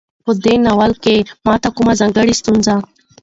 په دې ناول کې ماته کومه ځانګړۍ ستونزه